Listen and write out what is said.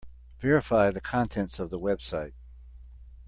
Verify the contents of the website.